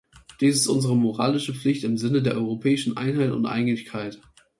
Dies ist unsere moralische Pflicht im Sinne der europäischen Einheit und Einigkeit.